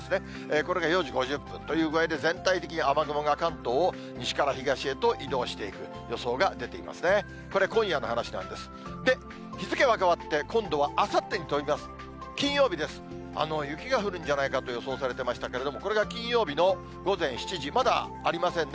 これが４時５０分という具合で全体的に、雨雲が関東を西から東へと移動していく予想が出ていますね。